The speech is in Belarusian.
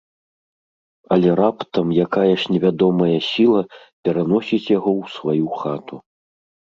Але раптам якаясь невядомая сiла пераносiць яго ў сваю хату...